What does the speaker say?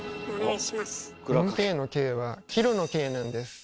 ４Ｋの「Ｋ」はキロの「Ｋ」なんです。